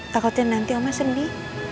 takutnya nanti oma sedih